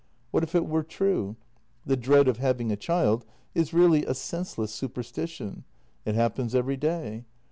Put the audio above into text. What if it were true? The dread of having a child is really a senseless superstition; it happens every day.